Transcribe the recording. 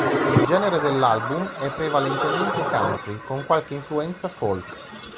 Il genere dell'album è prevalentemente country, con qualche influenza folk.